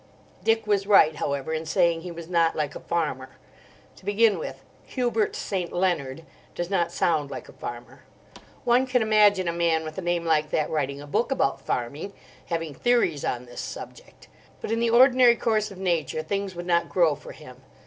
Dick was right, however, in saying he was not like a farmer. To begin with, "Hubert St. Leonard" does not sound like a farmer. One can imagine a man with a name like that writing a book about farming, having theories on this subject. But in the ordinary course of nature things would not grow for him.